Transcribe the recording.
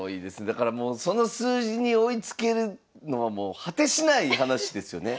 だからもうその数字に追いつけるのはもう果てしない話ですよね。